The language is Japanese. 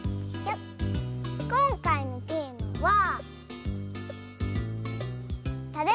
こんかいのテーマはおっ。